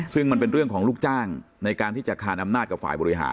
ซึ่งมันเป็นเรื่องของลูกจ้างในการที่จะคานอำนาจกับฝ่ายบริหาร